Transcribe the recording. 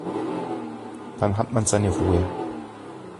Dann hat man seine Ruhe.